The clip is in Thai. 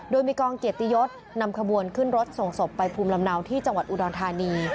โดยมีกองเกียรติยศนำขบวนขึ้นรถส่งศพไปภูมิลำเนาที่จังหวัดอุดรธานี